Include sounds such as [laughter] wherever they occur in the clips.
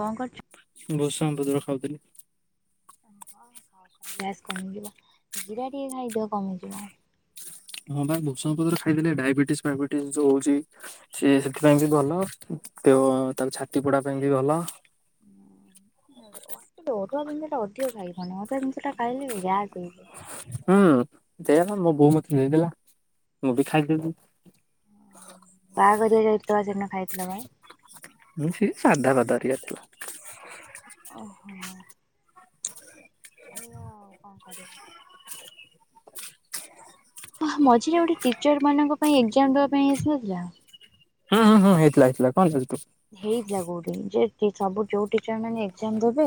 କଣ କରୁଚ? ଭୃସଙ୍ଗ ପତ୍ର ଖାଉଥିଲି। ଓ ଖାଅ ଖାଅ ଗ୍ୟାସ କମିଯିବ ଜିରା ଟିକେ ଖାଇଦିଅ କମିଯିବ। ହଁ ବା ଭୃସଙ୍ଗ ପତ୍ର ଖାଇଲେ ଡାଇବେଟିସ ଫାଇବେଟିସ୍ ଯୋଉ ହଉଚି ସେ ସେଥିପାଇଁ ବି ଭଲ ତ ଛାତି ପୋଡା ପାଇଁ ବି ଭଲ। ହୁଁ [unintelligible] ଅରୁଆ ଜିନିଷଟା ଅଧିକ ଖାଇବନି ଅରୁଆ ଜିନିଷଟା ଖାଇଲେ ବି ଗ୍ୟାସ୍ ହେଇଯିବ। ହୁଁ ସେୟାପା ମୋ ବୋଉ ମୋତେ ଦେଇଦେଲା ମୁଁ ବି ଖାଇଦେଲି। ବାହାଘରିଆ ଯାଇଥିଲ ସେଦିନ ଖାଇଥିଲା ବା। ହୁଁ ସିଏ ସାଧା ଭାତ ହେରିକା ଥିଲା। ଓହୋ। ଖାଇବା ଆଉ କଣ କରିବା। ହଁ ମଝିରେ ଗୋଟେ ଟିଚର ମାନଙ୍କ ପାଇଁ ଏକ୍ଜାମ ଦେବା ପାଇଁ ଆସିନଥିଲା ହୁଁ ହୁଁ ହେଇଥିଲା ହେଇଥିଲା କଣ ତୁ ହେଇଥିଲା କୋଉଠି ଯେ ସବୁ ଯୋଉଠି ଟିଚର ମାନେ ଏକ୍ଜାମ ଦେବେ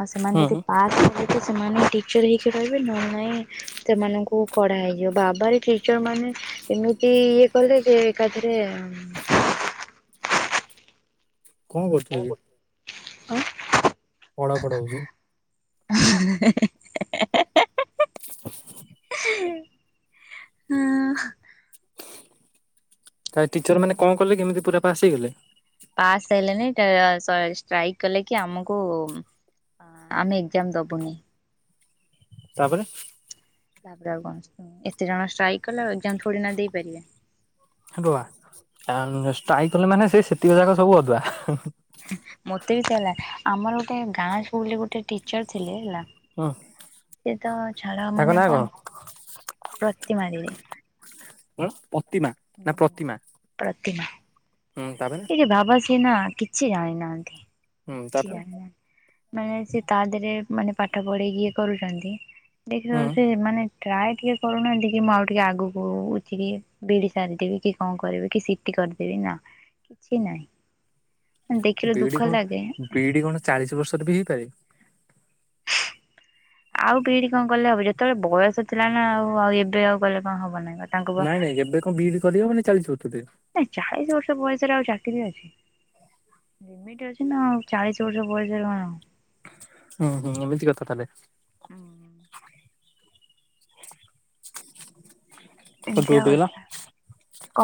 ଆଉ ସେମାନେ ହୁଁ ଯଦି ହୁଁ ପାସ ହେବେ ସେମାନେ ଟିଚର ହେଇକି ରହିବେ ନ ହେଲେ ନାଇଁ ସେମାନଙ୍କୁ କଢା ହେଇଯିବ ବାବାର ଟିଚର ମାନେ ଏମିତି ଇଏ କଲେ ଯେ ଏକାଥରେ କଣ କରୁଥିଲେ କି କଣ? ଖଡ଼ ଖଡ଼ ହଉଚି ହିଁ ହିଁ ହିଁ ହୁଁ ତା ଟିଚର ମାନେ କଣ କଲେ କି ଏମିତି ପୁରା ଫାଶୀ ହେଇଗଲା? ପାସ୍ ହେଇଲେଣିି ଷ୍ଟ୍ରାଇକ୍ କଲେ କି ଆମକୁ? ଆମେ ଏକ୍ଜାମ ଦେବୁନି। ତାପରେ। ତାପରେ ଆଉ କଣ ଏତେ ଜଣ ଷ୍ଟ୍ରାଇକ୍ କଲେ ଆଉ ଏକ୍ଜାମମ୍ ଥୋଡ଼ି ନା ଦେଇପାରିବେ। ଆଦୁଆ ଷ୍ଟ୍ରାଇକ କଲେ ମାନେ ସେ ସେତିକି ଯାକ ସବୁ ଅଦୁଆ। ମତେ ବି ଚା ହେଲା ଆମର ଗୋଟେ ଗାଁ ସ୍କୁଲରେ ଗୋଟେ ଟିଚର ଥିଲେ ହେଲା। ହୁଁ ସେଏ ତ ଛାଡ ତାଙ୍କ ମାନେ ନାଁ କଣ ପ୍ରତି ମାଡିରେ? ପ୍ରତିମା ନା ପ୍ରତିମା ହୁଁ ତାପରେ। ବାବା ସିନା କିଛି ଜାଣିନାହାନ୍ତି ହୁଁ କିଛି ତାପରେ ଜାଣିନାହାନ୍ତି। ମାନେ ସେ ତା ଦେହରେ ମାନେ ପାଠ ପଢ଼ାଇକିଏ କରୁଛନ୍ତି ଦେଖ ହୁଁ ସେ ମାନେ? ଟ୍ରାଏ ଟିକେ କରୁନାହାନ୍ତି କି ମୁଁ ଆଉ ଟିକେ ଆଗକୁ ଉଠିକି ବିଡି ସାରିଦେବି କି କଣ କରିବି କି? କରିଦେବି ନା କିଛି ନାହିଁ ଦେଖିଲେ ବିଇଡି ଦୁଃଖ କଣ ଲାଗେ। ବିଇଡି କଣ ଚାଳିଶ ବର୍ଷର ବି ହେଇପାରେ। ଆଉ ବିିିଡି କଣ କଲେ ହବ ଯେତେବେଳେ ବୟସ ଥିଲା ନା ଆଉ ଆଉ ଏବେ ଆଉ ଗଲେ କଣ ହବ ନାଇଁ। ନାଇଁ ନାଇଁ ଏବେ କଣ ବିଇଡି କରିବ ମାନେ ଚାଲିଛିିବତେ। ନାଁ ଚାଳିଶ ବର୍ଷ ବୟସରେ ଆଉ ଚାକିରି ଅଛି। ଲିମିଟ ଅଛି ନାଉ ଚାଳିଶ ବର୍ଷ ପଇସରେ କଣ ଆଉ। ହୁଁ ହୁଁମତି କଥାଥାହରେଲେ [unintelligible] କଣ ଚୁପ ହେଇଗଲ। କ?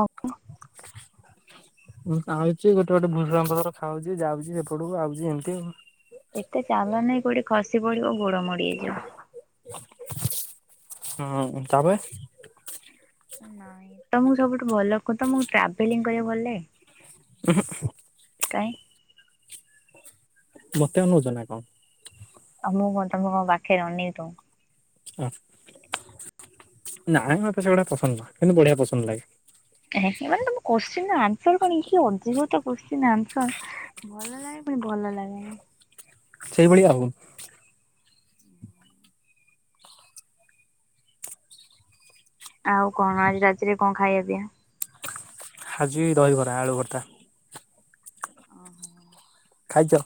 ହଁ ଆଉଛି ଗୋଟେ ଗୋଟେ ଭୁଜ୍ରାମ ପତ୍ର ଖାଉଛି ଯାଉଛି ସେପଟକୁ ଆଉଛି ଏମିତି ଆଉ। ଏତେ ଚାଲନି କୋଉଠି ଖସି ପଡିବ ଗୋଡ ମଡି ହେଇଯିବ। ହଁ ତାପରେ। ନାଇଁ ତମକୁ ସବୁଠୁ ଭଲ କୁହ ତମକୁ ଟ୍ରାଭେଲିଂ କରିବା ଭଲ ଲାଗେ। ହ [unintelligible] କାଇଁ। ମତେ ଅନାଉଛ ନା କଣ? ଆ ମୁଁ କଣ ତମ କଣ ପାଖରେ ଅନେଇକ? ଓ ନା ଆମ ମତେ ସେଗୁଡା ପସନ୍ଦ ନ କିନ୍ତୁ ବଢିଆ ପସନ୍ଦ ଲାଗେ। ମାନେ ତମ କୋ୍ଚି ଆନ୍ସର କଣ ଅଧଗତ କୋ୍ଚି ଆନ୍ସର। ଭଲ ଲାଗେ ପୁଣି ଭଲ ଲାଗେନାଇ। ସେଇଭଳିଆ ଆଉ। ଆଉ କଣ ଆଜି ରାତିରେ କଣ ଖାଇବା ପିଇବା। ହାଜି ଦହିିବରା ଆଳୁ ଭର୍ତା। ଓହୋ। ଖାଇଛ।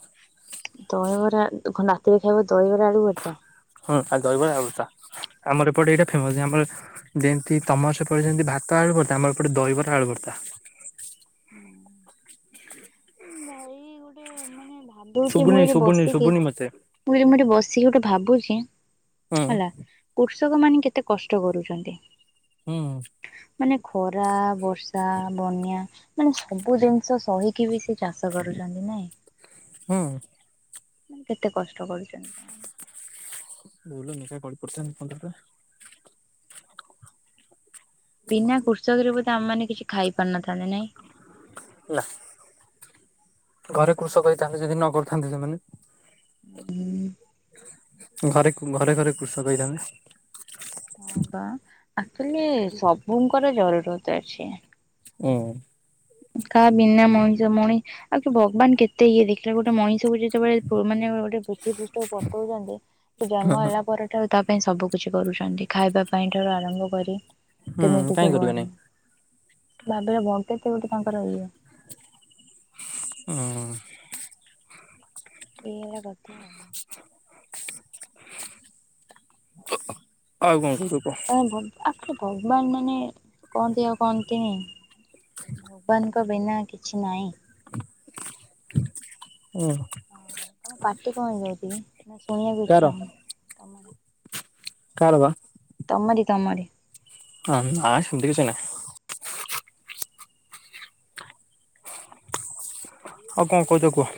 ଦହିବରା ରାତିରେ ଖାଇବ ଦହିବରା ଆଡୁ ବରଟା। ହଁ ଆଉ ଦହିବଳି ଆଲୁଭର୍ତ୍ତା ଆମର ଏପଟେ ଏଇଟା? ଫେମସ୍ ଯେ ଆମର ଯେମିତି ତମାସ ପଡ଼େ ଯେମିତି ଭାତ ଆଳୁବର୍ତା ଆମର ଏପଟେ ଦହିବରା ଆଳୁବର୍ତ୍ତା। ହୁଁ। ଉଁ ଭାଇ ଗୋଟେ ମାନେ ଭାବୁଛି ମୁଁ ଶୁଭୁନି ଏଠ ଶୁଭୁନି ବସିକି। ଶୁଭୁନି ମତେ ମୁଁ ଯ ମୁଁ ଏଠି ବସିକି ଗୋଟେ ଭାବୁଛି ହୁଁ ହେଲା। କୃଷକ ମାନ କେତେ କଷ୍ଟ କରୁଛନ୍ତି। ହୁଁ ହୁଁ। ମାନେ ଖରା ବର୍ଷା ବନ୍ୟା ମାନେ ସବୁ ଜିନିଷ ସହି। କିବିସି ଚାଷ କରୁଛନ୍ତି ନାଇଁ। ହଁ। କେତେ କଷ୍ଟ କରୁଛନ୍ତି କ ଭୁଲୁନୁ [unintelligible] ଗଳି ପଡ଼ିଥାନ୍ତି ପନ୍ଦର ଟା। ବିନା କୃଷକରେ ବୋଧେ ଆମ ମାନେ କିଛି ଖାଇ ପାରି ନ ଥାନ୍ତି ନାଇଁ। ହେଲା ଘରେ କୃଷକ ଯଦି ଥାନ୍ତି ଯଦି ନ କରିଥାନ୍ତି ସେମାନେ ହୁଁ। ଘରେ, ଘରେ ଘରେ କୃଷକ ହେଇଥାନ୍ତେ। ବା ଅକ୍ଚୁଆଲି ସବୁଙ୍କର ଜରୁରତ ଅଛି। ହୁଁ। କାହା ବିନା ମଣିଷ ମଣି ଆଉ କି ଭଗବାନ କେତେ ଇଏ ଦେଖିଲା ଗୋଟେ ମଣିଷକୁ ଯେତେବେଳେ ମାନେ ଗୋଟେ ପୃଥିବୀ ପୃଷ୍ଟକୁ ପଠଉଛନ୍ତି [inaudible] ଜନ୍ମ ହେଲା ପରଠାରୁ ତା ପାଇଁ ସବୁ କିଛି କରୁଛନ୍ତି ଖାଇବା ପାଇଁ ଠାରୁ ଆରମ୍ଭ କରି ହୁଁ କେମିତି କାହିଁ କହିବ କରିବେ ନାଇଁ। ନାହିଁ ଭାବେ ବଙ୍କା କେମିତି କଣ ତାର ହୁଏ। ହଁ। ଇଏ ହେଲା କଥା ଆଉ। ଆଉ କଣ କହୁଛ କୁହ। ଓହୋ ଆକ୍ଚୋଲି ଭଗବାନ ମାନେ କହନ୍ତି ଆଉ କହନ୍ତିନି ଭଗବାନଙ୍କ ବିନା କିଛି ନାହିଁ। ହୁଁ। ପାଟି କଣ ହେଇଯାଉଛି କି ଶୁଣିବାକୁ କାର ଇଚ୍ଛା ହଉନି। ତମର? କାଳ ବା ତମରି ତମରି। ହଁ ଆଁ ସେମିତି କିଛି ନାହିଁ। ଆଉ କଣ କହୁଛ କୁହ।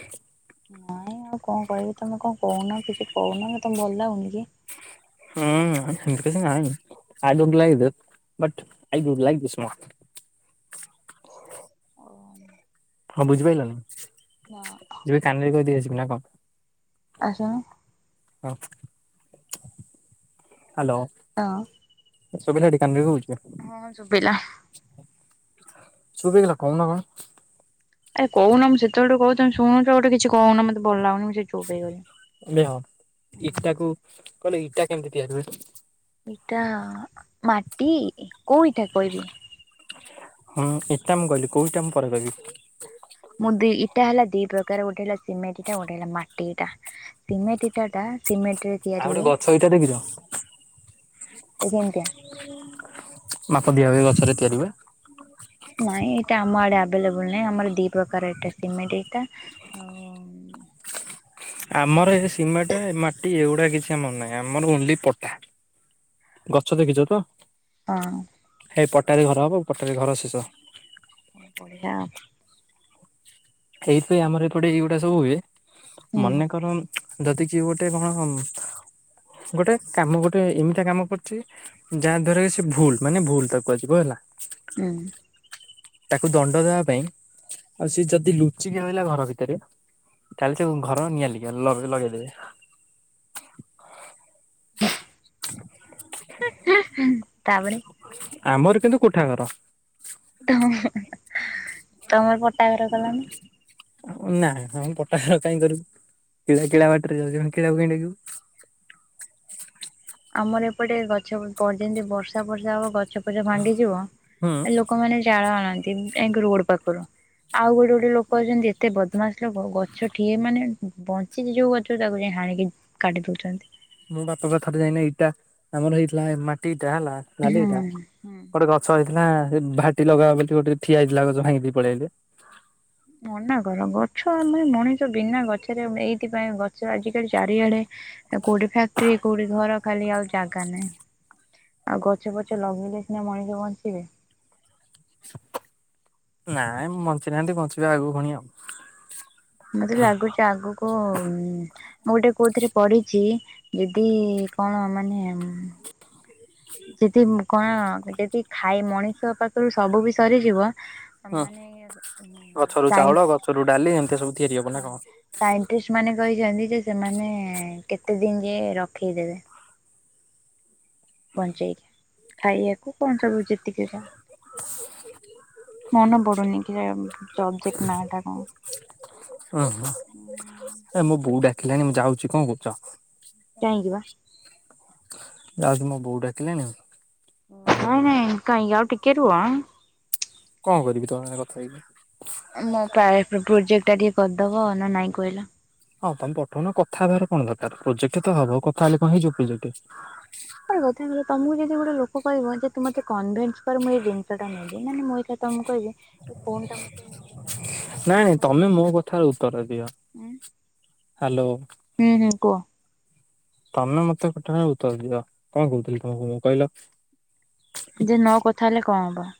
ନାଇଁ ମୁଁ କଣ କହିବି ତମେ କଣ କହୁନ କିଛି କହୁନ ତମକୁ ଭଲ ଲାଗୁନି କି? ନାଁ ସେମିତି କିଛି ନାହିଁ I don't like this but I do like this ମୋର। [unintelligible] କଣ ବୁଝି ପାଇଲନି। ନାଁ [unintelligible] ଯିବି କାନରେ କହିଦେଇଆସିବି ନା କଣ। ଆସୁନ। ହଁ। ହାଲୋ ହଁ। ଶୁଭିଲା ଟି କାନରେ କହୁଛି ପା। ହଁ ଶୁଭିଲା। ସୁଭିଗଲା କୋଉନ କଣ। ଏ କହୁନ ମୁଁ ସେତେବେଳେ ଠୁ କହୁଛି ତମେ ଶୁନୁଛ ଗୋଟେ କିଛି କହୁନା ମତେ ଭଲ ଲାଗୁନି ସେ ଚୁପ୍ ହେଇଗଲି। ମେୟ ଇଟାକୁ କହିଲ ଇଟା କେମିତି ତିଆରି ହୁଏ? ଇଟା ମାଟି କୋଉ ଇଟା କହିବି। ହଁ, ଇଟା ମୁଁ କହିଲି କୋଉ ଇଟା ମୁଁ ପରେ କହିବି। ମୁଁ ଦିଇ ଇଟା ହେଲା ଦିଇ ପ୍ରକାର ଗୋଟେ ହେଲା ସିମେଣ୍ଟ ଇଟା ଗୋଟେ ହେଲା ମାଟି ଇଟା ସିମେଣ୍ଟ ଇଟା ଟା ସିମେଣ୍ଟ ରେ ଆଉ ତିଆରି ଗୋଟେ ହୁଏ ଗଛ ଏଇଟା ଦେଖିଛ ନା କେମିତିଆ। [unintelligible] ମାପ ଦିଆ ହୁଏ ଗଛ ରେ ତିଆରି ହୁଏ। ନାଇଁ ଏଇଟା ଆମ ଆଡେ ଆଭେଲେବୁଲ ନାହିଁ ଆମର ଦି ପ୍ରକାର ଇଟା ସିମେଣ୍ଟ ଇଟା। ଆମର ଏ ସିମେଣ୍ଟ ମାଟି ଏଗୁଡା କିଛି ଆମର ନାହିଁ ଆମର ଓନ୍ଲି ପଟା। ଗଛ ଦେଖିଛ ତ। ହଁ। ହେଇ ପଟାରେ ଘର ହେବ ପଟାରେ ଘର ଶେଷ। ବଢିଆ। ଏଇଥି ପାଇଁ ଆମର ଏପଟେ ଏଇଗୁଡ଼ା ସବୁ ହୁଏ ହୁଁ ମନେକର ଯଦି କିିଏ ଗୋଟେ କଣ ଗୋଟେ କାମ ଗୋଟେ ଏମିତିଆ କାମ କରୁଛି। ଯାହା ଦ୍ଵାରା ସେ ଭୁଲ ମାନେ ଭୁଲ ତାକୁ କୁହା ଯିବ ହେଲା। ହୁଁ। ତାକୁ ଦଣ୍ଡ ଦେବା ପାଇଁ ଆଉ ସେ ଯଦି ଲୁ ଚିକି ରହିଲା ଘର ଭିତରେ ତାହେଲେ ତା ଘର ନିଆଲିଭି ଲଗେଇଦେବେ। ତାପରେ ଆମର କିନ୍ତୁ କୋଠା ଘର। ଉ ହଁ ତମର ପଟାଘର କଲନି। ନାଁ ନାଁ ଆମ ପଟା ଘର କାଇଁ କରିବୁ କିଳା କିଳା ବାଟରେ ଯାଉଛି ଆମେ କିଳାକୁ କାଇଁ ଡାକିବୁ। ଆମର ଏପଟେ ଗଛ ପ ଯେମିତି ବର୍ଷା ପର୍ଷା ହବ ଗଛ ପଛ ଭାଙ୍ଗିଯିବ ହୁଁ ଲୋକ ଲୋକମାନେ ଜାଳ ଆଣନ୍ତି ଯାଇକି ରୋଡ ପାଖରୁ। ଆଉ ଗୋଟେ ଗୋଟେ ଲୋକ ଅଛନ୍ତି ଏତେ ବଦମାସ ଲୋକ ଗଛ ଟିଏ ମାନେବଞ୍ଚି ସେ ଯୋଉ ଗଛ ଟା କୁ ହାଣିକି କାଟି ଦଉଛନ୍ତି। ମୋ ବାପା ପା ଥରେ ଯାଇକି ନା ଏଇଟା ଆମର ହେଇଥିଲା ମାଟି ଇଟା ହେଲା ନାଲି ହୁଁ ଇଟା ହୁଁ ଗୋଟେ ଗଛ। ସରିଥିଲା ସେ ଭାଟି ଲଗା ହବ ବୋଲି ଗୋଟେ ଠିଆଇଥିଲା ଗଛ ଭାଙ୍ଗି ଦେଇ ପଳେଇଆଇଲି। ମନା କର ଗଛ ଆମେ ମଣିଷ ବିନା ଗଛରେ ଏଇଥିପାଇଁ ଗଛ ଆଜିକାଲି ଚାରିଆଡେ। କୋଉଠି ଫ୍ୟାକ୍ଟ୍ରି କୋଉଠି ଘର। ଖାଲି ଆଉ ଜାଗା ନାହିଁ ଆଉ ଗଛ ପଛ ଲଗେଇଲେ ସିନା ମଣିଷ ବଞ୍ଚିବେ। ନାଇଁ ମୁ ବଞ୍ଚିନାହାନ୍ତି ବଞ୍ଚିବା ଆଗକୁ ପୁଣି ଆଉ। ମତେ ଲାଗୁଛି ଆଗକୁ। ମୁଁ ଗୋଟେ କୋଉଥିରେ ପଢିଛି ଯଦି କଣ ମାନେ। ଯଦି କଣ ଯଦି ଖାଇ ମଣିଷ ପାଖରୁ ସବୁ ବି ସରିଯିବ। ଆ ହୁଁ ମାନେ କାହଁକୀ। ସରୁ ଡାଲି ଏମତି ସବୁ। ତିଆରି ହବ ନା ହଁ କଣ? ସାଇଣ୍ଟିଷ୍ଟ ମାନେ କହିଛନ୍ତି ଯେ ସେମାନେ କେତେ ଦିନ ଯାଏଁ ରଖେଇଦେବେ। ବଞ୍ଚେଇକୀ ଖାଇବାକୁ କଣ ସବୁ ଯେତିକି ଯ। ମନେ ପଡୁନି କି ପ୍ରୋଜେକଟ ନା ଟା କଣ। ଓୁଁ ହ ଏ ମୁଁ ବୋଉ ଡାକିଲାଣି ମୁଁ ଯାଉଛି କଣ କହୁଛ। କାହିଁକି ବା। ଯାଉଛି ମୋ ବୋଉ ଡାକିଲାଣି ଆଉ। ଓ ନାଇଁ ନାଇଁ କାହଁ ଆଉ ଟିକେ ରୁହ ହଁ। କଣ କରିବି ତମ ସହ କଥା ହେଇିକି। ମୋ ପା ପ୍ରୋଜେକ୍ଟ ଟା ଟିକେ କରିଦବ ନା ନାଇଁ କହିଲ। ହଁ ତମେ ପଠଉନ କଥା ହେବାର କଣ ଦରକାର ପ୍ରୋଜେକ୍ଟ ତ ହବ କଥା ହେଲେ କଣ ହେଇଯିବ ପ୍ରୋଜେକ୍ଟ। [unintelligible] ତମକୁ ଯଦି ଗୋଟେ ଲୋକ କହିବ ଯେ ତୁ ମତେ କନଭିଂଷ୍ ମୁଁ ଏଇ ଜିନିଷଟା ନେବି ମାନେ ମୁଁ ଏଇଟା ତମକୁ କହିବି ଏ ଫୋନ୍ ଟା ମତେ ମୁଁ ନେବି ଯୋଉଠାରୁ ତୁ ନାଇଁ ମତେ କହ ତମେ ମୋ କଥାର ଉତ୍ତର ଦିଅ ଉଁ ହାଲୋ। ହୁଁ ହୁଁ କୁହ। ତମେ ମତେ ପ୍ରଥମେ ଉତ୍ତର ଦିଏ କଣ କୋହୁଥିଲି [unintelligible] କହିଲ। ଆଜି ନ କଥା ହେଲେ କଣ ହବ?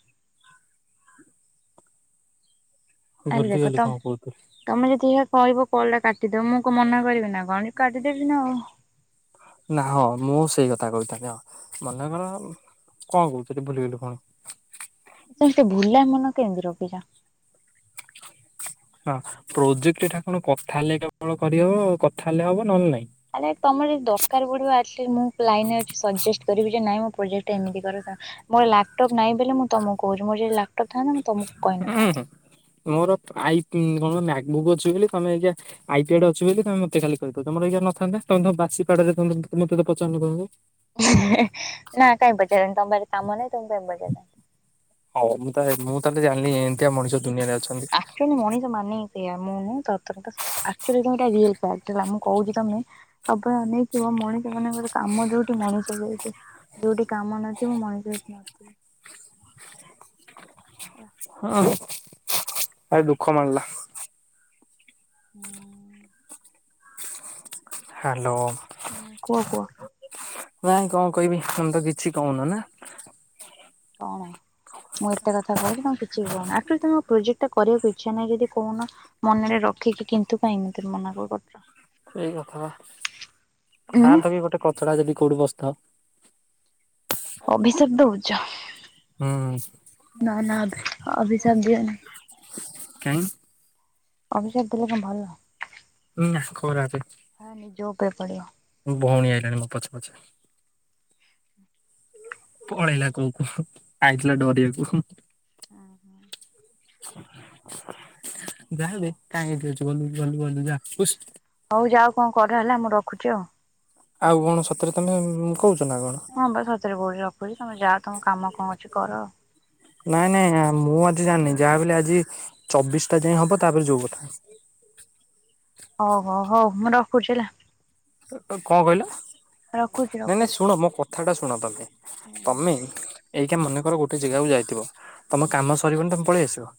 ଆଣ୍ଡ ଦେଖ ଭୁଲିଗଲି ତମ କଣ କହୁଥିଲି। ତମେ ଯଦି ଏଇଆ କହିବ କଲ୍ ଟା କା ସେ ତମକୁ ମନା କରିବି ନା କଣ ଇଏ କାଟିଦେବି ନା ଆଉ। ନା ହଁ ମୁଁ ସେଇ କଥା କୋହୁଥେଲି ମନେକର କଣ କୋହୁଥିଲି ଭୁଲିଗଲୁ ଫୁଣି। ସେମିତି ଭୁଲା ମନ କେମିତି ରଖିଚ। ହଁ ପ୍ରୋଜେକ୍ଟଟା କଣ କଥା ହେଲେ କେବଳ କରିହବ କଥା ହେଲେ ହବ ନହେଲେ ନାଇଁ। ଆରେ ତମର ଯଦି ଦରକାର ପଡିବ ଆଟଲିଷ୍ଟ ମୁଁ ଲାଇନରେ ଅଛି। ସଜେଷ୍ଟ କରିବି ଯେ ନାଇଁ ମୋ ପ୍ରୋଜେକ୍ଟା ଏମତି କର ମୋର ଲାପଟପ୍ ନାହିଁ ବୋଲି ମୁଁ ତମକୁ କୋହୁଚି। ମୋର ଯଦି ଲାପଟପ୍ ଥାନ୍ତା ମୁଁ ତମକୁ ହୁଁ କହିନଥାନ୍ତି। ମୋର ଆଇକୁଂ କଣ ମ୍ୟାଥ୍ ବୁକ୍ ଅଛି ବୋଲି ତମେ ଏଇଗା ଆଇ ପ୍ୟାଡ୍‌ ଅଛି ବୋଲି ତମେ ମତେ ଖାଲି କହିଦୋଉ ତମର ଏଇଗା ନଥାନ୍ତା ତମେ ତ ବାସି ପାଡରେ ତମେ ତ ମତେ ତ ପଚାରି ନଥାନ୍ତ। [unintelligible] ନା କାଇଁ ପଚାରିବିନି ତମ ପାଖରେ କାମ ନାହିଁ ତମକୁ କାଇଁ ପଚାରିଥାନ୍ତି। ହୋଉ ମୁଁ ତା ମୁଁ ତାହେଲେ ଜାଣିଲି ଏମିତିଆ ମଣିଷ ଦୁନିଆରେ ଅଛନ୍ତି। ଆକଚ୍ୟୁଏଲି ମଣିଷ ମାନେ ସେଇଆ ମୁଁ ମୁଁ ସତ କଥା ସବୁ। ଆକୁଚ୍ୟୁଏଲି ରିଲସ୍ [unintelligible] ମୁଁ କୋହୁଚି ତମେ ସବୁ ବେଳେ ଅନେଇ ଥିବ ମଣିଷ ମାନଙ୍କର କାମ ଯୋଉଠି ମଣିଷ ସେଇଠି। ଯୋଉଠି କାମ ନଥିବେ ମଣିଷ ସେଠି ନଥିବେ। ହେଲା। ହଁ ଭାଇ ଦୁଃଖ ମାଡିଲା। ହୁଁ। ହ୍ୟାଲୋ। ହୁଁ କୁହ କୁଅ। ନାଇଁ କଣ କହିବି ତମେ ତ କିଛି କୋହୁନ ନା। କଣ? ମୁଁ ଏତେ କଥା କୋହୁଚି ତମେ କିଛି ବି କୋହୁନ। ଆକଚୋଲି ତମ ପ୍ରୋଜେକ୍ଟ କରିବାକୁ ଇଚ୍ଛା ନାହି ଯଦି କୋହୁନ? ମନରେ ରଖିକି କିନ୍ତୁ କାଇଁ ଏମିତି ମନା କ-କରୁଚ। ସେଇ କଥା ପା, ଉଁ ଖାଆନ୍ତ କି ଗୋଟେ କଚଡା ଯଦି କୋଉଠି ବସିଥାଅ। ଅଭିଶାପ ଦୋଉଚ। ହୁଁ ନା ନା ଅଭି-ଅଭିଶାପ ଦିଅନାହିଁ। କାଇଁ? ଅଭିଷାପ ଦେଲ କଣ ଭଲ। ନାଃ ଖରା ପଡିଚି। ଆ ନିଜ ଉପରେ ପଡିବ। ମୋ ଭୋଉଣୀ ଆଇଲାଣି ମୋ ପଛେ ପଛେ। ପଳେଇଲା କୋହୁ କୋହୁ ଆଇଥିଲା ଡରେଇବାକୁ ହୁଁ। ଓ ହୋ। ଯାହା ହେଲେ ହଉ। କାହିଁ ଏଠି ଅଛୁ ଗଲୁ ଗଲୁ ଗଲୁ ଯା ହୁସ୍। ହୋଉ ଯାଅ କଣ କର ହେଲା ମୁଁ ରଖୁଚି ଆଉ। ଆଉ କଣ ସତରେ ତମେ ଉଁ କୋହୁଚ ନା କଣ। ହଁ ପା ସତରେ କୋହୁଚି ରଖୁଚି। ତମେ ଯାଅ ତମ କାମ କଣ ଅଛି କର। ନାଇଁ ନାଇଁ ମୁଁ ଆଜି ଜାଣିନି ଯାହାବି ହେଲେ ଆଜି ଚବିଶଟା ଯାଏଁ ହବ ତାପରେ ଯୋଉ କଥା। ଓହୋ ହଉ ହଉ ମୁଁ ରଖୁଛି ହେଲା। କଣ କହିଲ ରଖୁଛି ନାଇଁ ନାଇଁ ରଖୁଛି। ଶୁଣ ମୋ କଥା ଟା ଶୁଣ ତମେ। ତମେ ଏଇଟା ମନେ କର ଗୋଟେ ଜାଗାକୁୁ ଯାଇଥିବ ତମ କାମ ସରିବନି ତମେ ପଳେଇ ଆସିବ।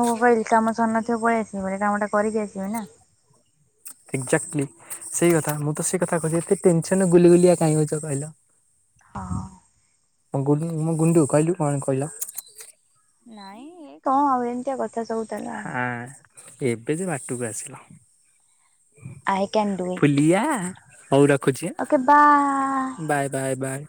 ମୋ ମବାଇଲ କାମ ସରି ନଥିବ ପଳେଇ ଆସିବି ବୋଲି କାମ ଟା କରିକି ଆସିବି ନା। ଏକ୍ଜାକ୍ଟଲି ସେଇ କଥା ମୁଁ ତ ସେଇ କଥା କହୁଛି ଏତେ ଟେନସନ ଗୁଲିଗୁଲିଆ କାଇହିଁହୁଛ କହିଲ। ହଁ। ମୁଁ ଗୁଁ ଗୁଣ୍ଡୁ କହିଲୁ କଣ କହିଲା। ନାଇଁ ଏ କଣ ହଉ ଏମିତିଆ କଥା ସବୁ। ତାହେଲେ ଆଉ ହଁ ଏବେ ଯେ ବାଟକୁ ଆସିଲ। ଆଇ କ୍ୟାନ୍ ଡୁ ଇଟ୍ ଫୁଲିଆ ହଉ ରଖୁଛି okay bye. Bye bye bye.